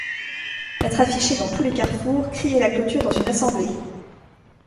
être affiché dans tous les carrefours, crier la clôture dans une assemblée !